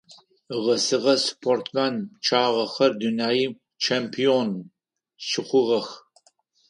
Ыгъэсэгъэ спортсмен пчъагъэхэр дунаим чемпион щыхъугъэх.